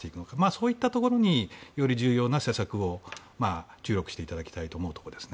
そういったところにより重要な政策を注力していただきたいと思います。